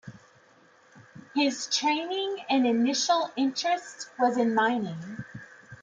His training and initial interest was in mining.